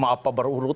mau apa berurut